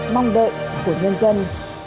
mong đợi của nhân dân